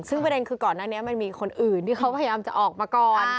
ซึ่งประเด็นคือก่อนหน้านี้มันมีคนอื่นที่เขาพยายามจะออกมาก่อน